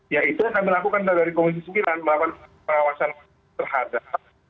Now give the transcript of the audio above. ya itu akan dilakukan dari komisi sembilan melawan pengawasan terhadap